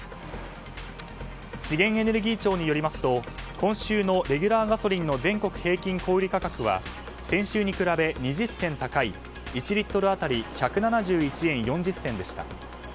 資源エネルギー庁によりますと今週のレギュラーガソリンの全国平均小売価格は先週に比べ２０銭高い１リットル当たり１７１円４０銭でした。